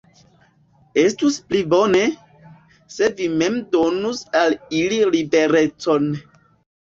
Estus pli bone, se vi mem donus al ili liberecon.